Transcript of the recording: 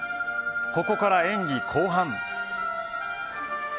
ここから演技後半。